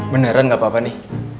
beneran gak apa apa nih